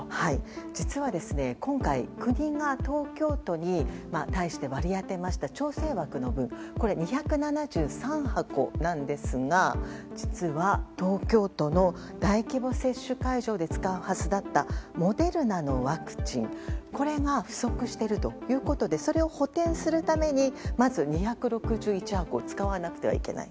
実は、今回国が東京都に対して割り当てました調整枠の分２７３箱なんですが実は東京都の大規模接種会場で使うはずだったモデルナのワクチンこれが不足しているということでそれを補填するためにまず２６１箱を使わなくてはいけない。